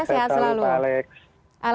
sehat selalu pak alex